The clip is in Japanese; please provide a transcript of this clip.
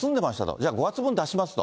じゃあ５月分出しますと。